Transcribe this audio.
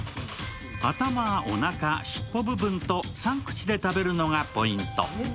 頭、おなか、尻尾部分と３口で食べるのがポイント。